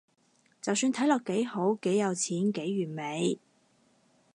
就算睇落幾好，幾有錢，幾完美